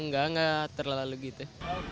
enggak enggak terlalu gitu